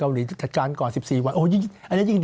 อาจารย์